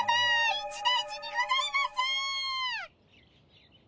一大事にございます！